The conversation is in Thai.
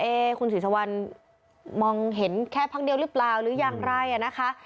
เอ๊คุณศรีสวรรค์มองเห็นแค่พักเดียวหรือเปล่าหรือยังไรอ่ะนะคะ